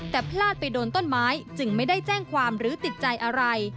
แต่พลาดไปโดนต้นไม้จึงไม่ได้แจ้งความหรือติดใจอะไร